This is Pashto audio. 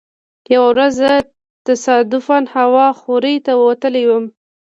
یوه ورځ زه تصادفا هوا خورۍ ته وتلی وم.